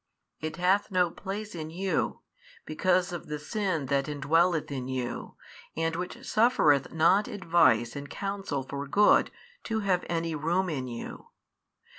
It hath no place in you, because of the sin that indwelleth in you, and which suffereth not advice and counsel for good to have any room in you.